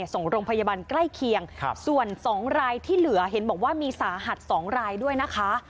ส่งโรงพยาบาลใกล้เคียงส่วน๒รายที่เหลือเห็นบอกว่ามีสาหัส๒รายด้วยนะคะ